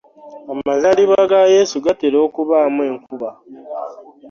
Amazaalibwa ga Yesu gatera okubaamu enkuba.